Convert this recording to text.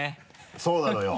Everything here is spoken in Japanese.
そうなのよ。